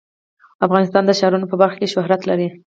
افغانستان د ښارونو په برخه کې شهرت لري.